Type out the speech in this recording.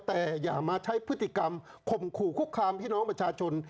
แต่อย่ามาใช้พฤติกรรมข่มขู่คุกคามพี่น้องประชาชน